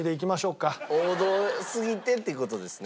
王道すぎてっていう事ですね？